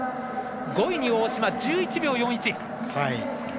５位に大島、１１秒４１。